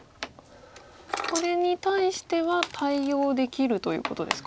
これに対しては対応できるということですか。